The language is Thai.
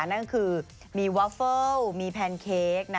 นั่นคือมีวอฟเฟิลมีแพนเค้ก